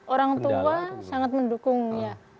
orang tua sangat mendukung ya